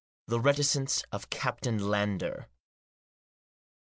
THE RETICENCE OF CAPTAIN LANDER.